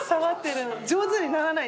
上手にならない。